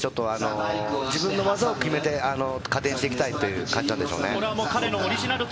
自分の技を決めて加点していきたいという感じなんでしょうね。